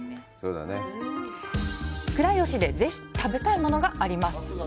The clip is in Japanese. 倉吉で、ぜひ食べたいものがあります。